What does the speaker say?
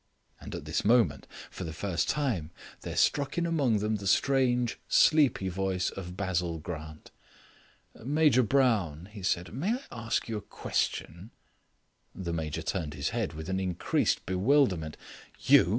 And at this moment, for the first time, there struck in among them the strange, sleepy voice of Basil Grant. "Major Brown," he said, "may I ask you a question?" The Major turned his head with an increased bewilderment. "You?"